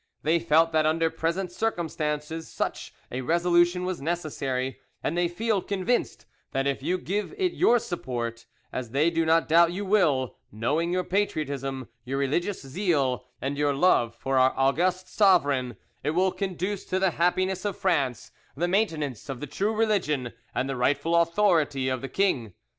They felt that under present circumstances such a resolution was necessary, and they feel convinced that if you give it your support, as they do not doubt you will, knowing your patriotism, your religious zeal, and your love for our august sovereign, it will conduce to the happiness of France, the maintenance of the true religion, and the rightful authority of the king.